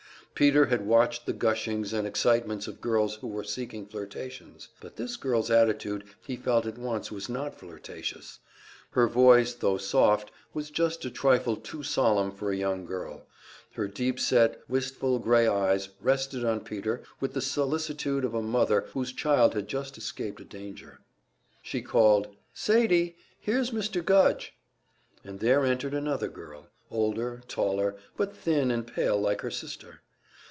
Peter had watched the gushings and excitements of girls who were seeking flirtations; but this girl's attitude he felt at once was not flirtatious. Her voice tho soft, was just a trifle too solemn for a young girl; her deep set, wistful grey eyes rested on Peter with the solicitude of a mother whose child has just escaped a danger. She called: "Sadie, here's Mr. Gudge." And there entered another girl, older, taller, but thin and pale like her sister.